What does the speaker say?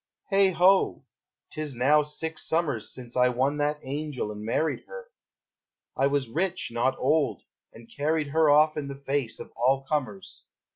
Heigh ho! 'T is now six summers Since I won that angel and married her: I was rich, not old, and carried her Off in the face of all comers.